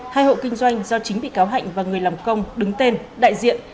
hai hộ kinh doanh do chính bị cáo hạnh và người làm công đứng tên đại diện